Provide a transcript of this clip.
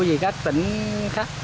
vì các tỉnh khác